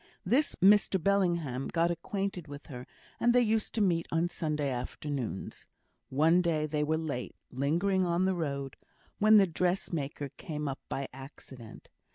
This Mr Bellingham got acquainted with her, and they used to meet on Sunday afternoons. One day they were late, lingering on the road, when the dressmaker came up by accident.